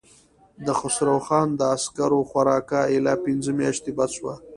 د خسرو خان د عسکرو خوراکه اېله پنځه مياشتې بس شوه.